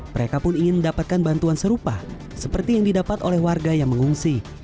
mereka pun ingin mendapatkan bantuan serupa seperti yang didapat oleh warga yang mengungsi